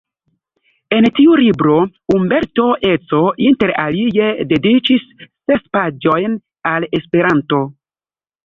En tiu libro Umberto Eco inter alie dediĉis ses paĝojn al Esperanto.